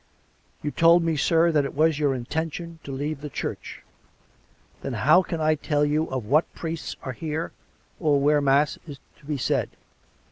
" You told me, sir, that it was your intention to leave the Church. Then how can I tell you of what priests are here, or where mass is to be said.''